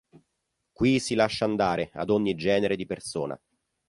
Qui si lascia andare ad ogni genere di persona.